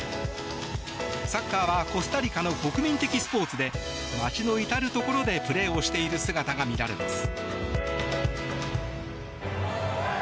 サッカーはコスタリカの国民的スポーツで街の至るところでプレーをしている姿が見られます。